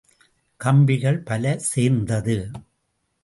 கப்பிகள் பல சேர்ந்தது.